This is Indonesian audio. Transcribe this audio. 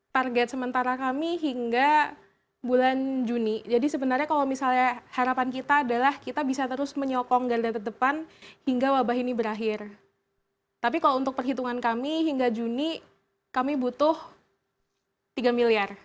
target sementara kami hingga bulan juni jadi sebenarnya kalau misalnya harapan kita adalah kita bisa terus menyokong garda terdepan hingga wabah ini berakhir tapi kalau untuk perhitungan kami hingga juni kami butuh tiga miliar